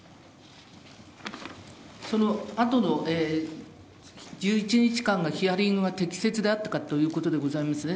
そのあとの１１日間のヒアリングは適切であったかということでございますね。